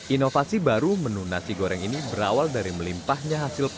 inovasi baru menu nasi goreng ini berawal dari melimpahnya hasil panen